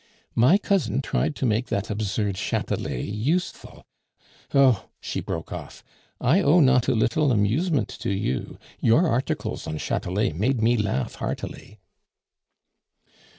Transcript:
My cousin tried to make that absurd Chatelet useful Oh!" she broke off, "I owe not a little amusement to you; your articles on Chatelet made me laugh heartily."